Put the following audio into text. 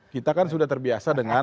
kita kan sudah terbiasa dengan